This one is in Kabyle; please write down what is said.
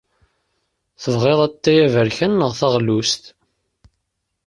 Tebɣiḍ atay aberkan neɣ taɣlust?